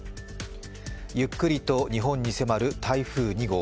ゆっくりと日本に迫る台風２号。